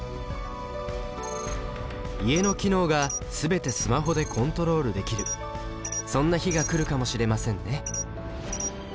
家の機能が全てスマホでコントロールできるそんな日が来るかもしれませんね。